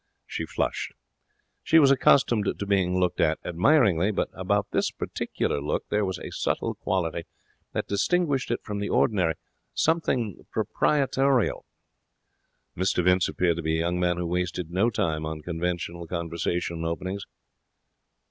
She flushed. She was accustomed to being looked at admiringly, but about this particular look there was a subtle quality that distinguished it from the ordinary something proprietorial. Mr Vince appeared to be a young man who wasted no time on conventional conversation openings.